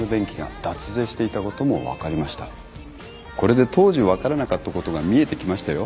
これで当時分からなかったことが見えてきましたよ。